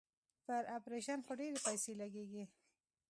پر اپرېشن خو ډېرې پيسې لگېږي.